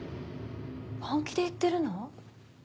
本気で言ってるの？